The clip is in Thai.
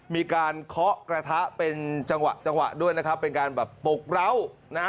เคาะกระทะเป็นจังหวะจังหวะด้วยนะครับเป็นการแบบปลุกเล้านะฮะ